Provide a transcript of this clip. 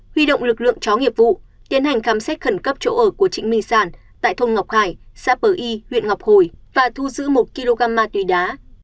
huy động lực lượng chó nghiệp vụ tiến hành khám xét khẩn cấp chỗ ở của trịnh minh sản tại thôn ngọc khải xã pờ y huyện ngọc hồi và thu giữ một kg ma túy đá